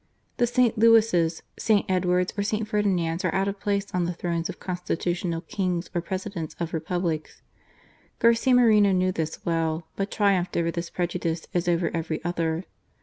The St. Louis', St. Edwards, or St. Ferdinands are out of place on the thrones of Constitutional Kings or Presidents of Republics. Garcia Moreno knew this well ; but triumphed over this prejudice as over every other.